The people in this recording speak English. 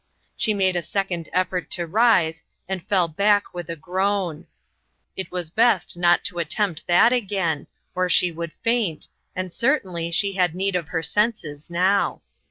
She made a second effort to rise, and fell back with a groan ; it was best not to attempt that again, or she should faint, and certainly she had need of her senses now.